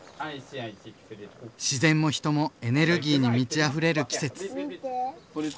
自然も人もエネルギーに満ちあふれる季節。